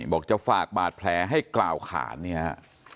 บอกจะฝากบาดแผลให้กล่าวขานเนี่ยฮะ